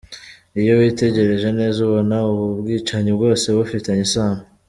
Iyo witegereje neza ubona ubu bwicanyi bwose bufitanye isano.